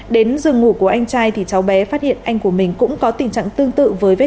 đến giường ngủ của anh trai thì cháu bé phát hiện anh của mình cũng có tình trạng tương tự với vết